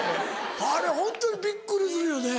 あれホントにびっくりするよね。